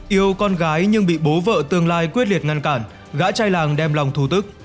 yêu con gái nhưng bị bố vợ tương lai quyết liệt ngăn cản gã trai làng đem lòng thù tức